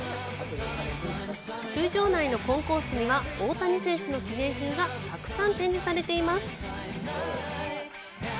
球場内のコンコースには、大谷選手の記念品がたくさん展示されています。